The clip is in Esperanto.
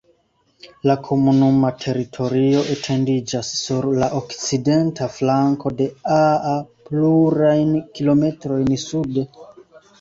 La komunuma teritorio etendiĝas sur la okcidenta flanko de Aa plurajn kilometrojn sude.